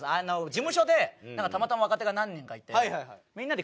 事務所でたまたま若手が何人かいて。